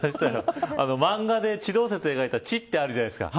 漫画で地動説を描いた作品があるじゃないですか。